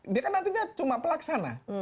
dia kan nantinya cuma pelaksana